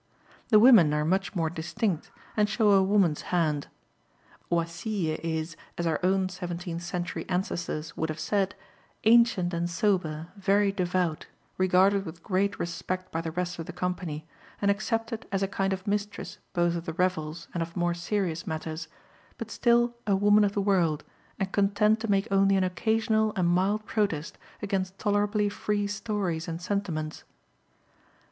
The women are much more distinct and show a woman's hand. Oisille is, as our own seventeenth century ancestors would have said, ancient and sober, very devout, regarded with great respect by the rest of the company, and accepted as a kind of mistress both of the revels and of more serious matters, but still a woman of the world, and content to make only an occasional and mild protest against tolerably free stories and sentiments.